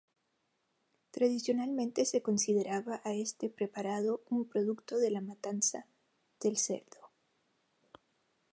Tradicionalmente se consideraba a este preparado un producto de la matanza del cerdo.